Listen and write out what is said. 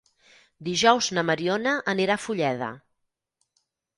Dijous na Mariona anirà a Fulleda.